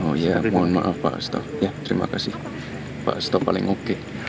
oh iya mohon maaf pak seto ya terima kasih pak stop paling oke